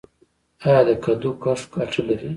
آیا د کدو کښت ګټه لري؟